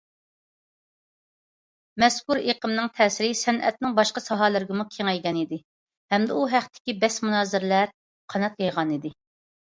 مەزكۇر ئېقىمنىڭ تەسىرى سەنئەتنىڭ باشقا ساھەلىرىگىمۇ كېڭەيگەنىدى، ھەمدە ئۇ ھەقتىكى بەس- مۇنازىرىلەر قانات يايغانىدى.